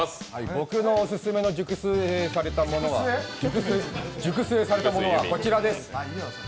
僕のオススメの熟成されたものはこちらです。